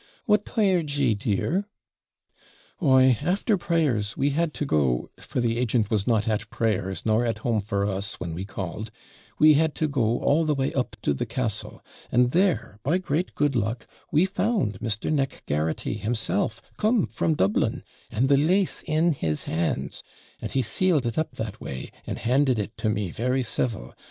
'What tired ye, dear?' 'Why, after prayers, we had to go for the agent was not at prayers, nor at home for us, when we called we had to go all the way up to the castle; and there, by great good luck, we found Mr. Nick Garraghty himself, come from Dublin, and the LASE in his hands; and he sealed it up that way, and handed it to me very civil.